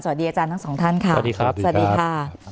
สวัสดีอาจารย์ทั้งสองท่านค่ะสวัสดีครับสวัสดีค่ะ